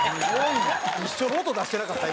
一緒の音出してなかった？